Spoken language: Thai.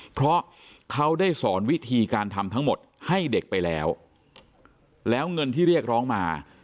เพราะเขาได้สอนวิธีการทำทั้งหมดให้เด็กไปแล้วแล้วเงินที่เรียกร้องมา